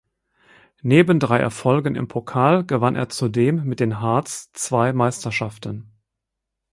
Neben drei Erfolgen im Pokal gewann er zudem mit den Hearts zwei Meisterschaften.